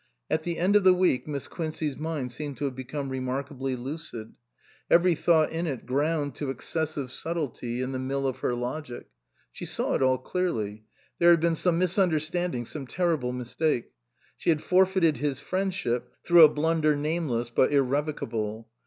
At the end of the week Miss Quincey's mind seemed to have become remark ably lucid ; every thought in it ground to ex cessive subtlety in the mill of her logic. She saw it all clearly. There had been some mis understanding, some terrible mistake. She had forfeited his friendship through a blunder name less but irrevocable.